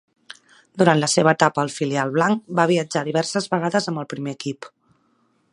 Durant la seva etapa al filial blanc va viatjar diverses vegades amb el primer equip.